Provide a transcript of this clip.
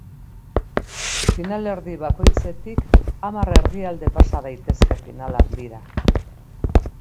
Finalerdi bakoitzetik hamar herrialde pasa daitezke final handira.